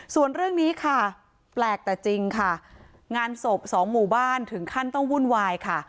ส่วนเรื่องนี้ค่ะแปลกแต่จริงค่ะงานศพสองหมู่บ้านถึงขั้นต้องวุ่นวายค่ะ